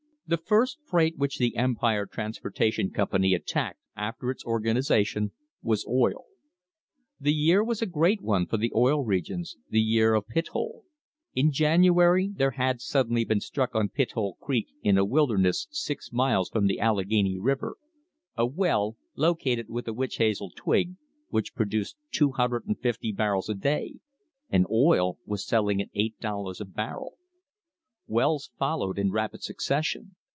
The first freight which the Empire Transportation Com pany attacked after its organisation was oil. The year was a great one for the Oil Regions, the year of Pithole. In January there had suddenly been struck on Pithole Creek in a wilder ness six miles from the Allegheny River a well, located with a witch hazel twig, which produced 250 barrels a day — and oil was selling at eight dollars a barrel! Wells followed in THE BIRTH OF AN INDUSTRY rapid succession.